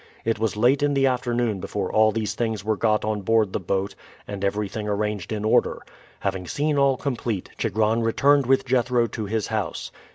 It was late in the afternoon before all these things were got on board the boat and everything arranged in order. Having seen all complete, Chigron returned with Jethro to his house.